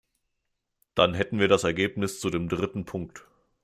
Dann hätten wir das Ergebnis zu dem dritten Punkt.